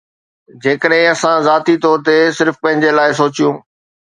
جيڪڏهن اسان ذاتي طور تي صرف پنهنجي لاء سوچيو